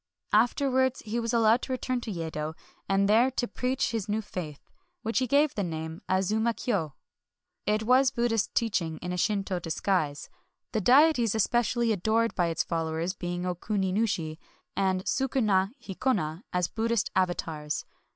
Afterwards he was al lowed to return to Yedo, and there to preach his new faith, — to which he gave the name of Azuma Kyo. It was Bud dhist teaching in a Shinto disguise, — the deities especially adored by its followers being Okuni nushi and Sukuna hi kona as Buddhist avatars.